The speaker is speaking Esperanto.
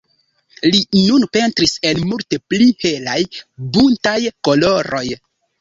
Li nun pentris en multe pli helaj, buntaj koloroj.